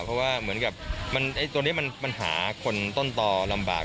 เพราะว่าเหมือนกับตัวนี้มันหาคนต้นต่อลำบาก